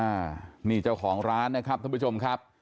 อ่านี่เจ้าของร้านนะครับท่านผู้ชมครับ